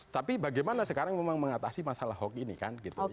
tapi bagaimana sekarang memang mengatasi masalah hoax ini kan gitu